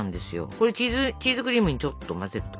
これチーズクリームにちょっと混ぜると。